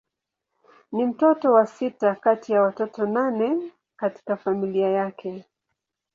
Ni mtoto wa sita kati ya watoto nane katika familia yake.